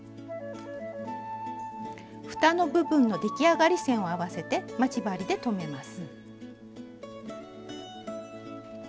ふたの部分の出来上がり線を合わせて待ち針で留めます。